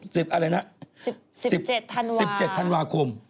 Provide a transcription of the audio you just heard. ถ้า๑๓อะไรนะ๑๗ธันวาคม